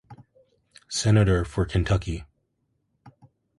Senator for Kentucky.